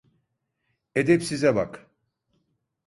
Edepsize bak…